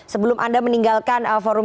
sebelum anda meninggalkan forum